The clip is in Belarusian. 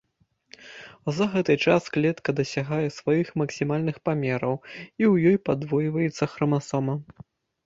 За гэты час клетка дасягае сваіх максімальных памераў, і ў ёй падвойваецца храмасома.